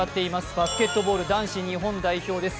バスケットボール男子日本代表です。